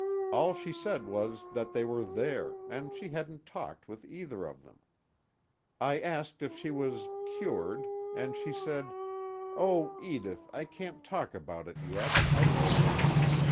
All she said was that they were there, and she hadn't talked with either of them. I asked if she was cured, and she said: 'Oh, Edith, I can't talk about it yet, I can't.'